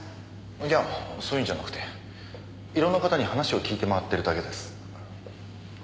いやそういうんじゃなくて色んな方に話を聞いて回ってるだけです。